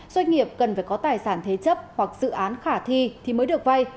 doanh nghiệp cần phải có tài sản thế chấp hoặc dự án khả thi thì mới được vay